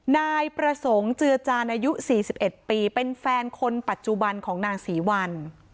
นายประสงค์เจือจานอายุ๔๑ปีเป็นแฟนคนปัจจุบันของนางศรีวัล